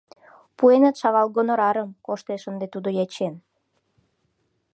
«Пуэныт шагал гонорарым», Коштеш ынде тудо ячен.